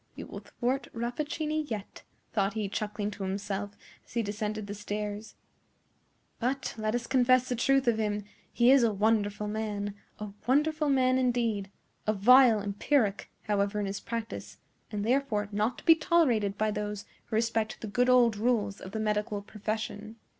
"We will thwart Rappaccini yet," thought he, chuckling to himself, as he descended the stairs; "but, let us confess the truth of him, he is a wonderful man—a wonderful man indeed; a vile empiric, however, in his practice, and therefore not to be tolerated by those who respect the good old rules of the medical profession."